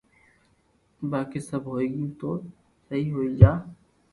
باڪي سب ھوئي گيو تو بي ھوئي جا